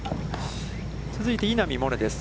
続いて稲見萌寧です。